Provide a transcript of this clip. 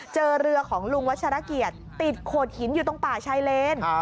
เจอเรือของลุงวัชรเกียรติติดโขดหินอยู่ตรงป่าชายเลน